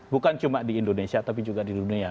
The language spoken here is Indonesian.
bukan cuma di indonesia tapi juga di dunia